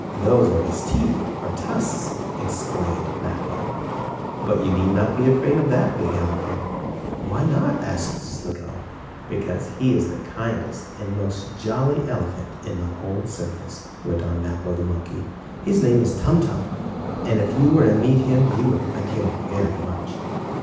"Those are his teeth, or tusks," explained Mappo. "But you need not be afraid of that big elephant." "Why not?" asked Slicko. "Because he is the kindest, and most jolly elephant in the whole circus," went on Mappo the monkey. "His name is Tum Tum, and if you were to meet him you would like him very much."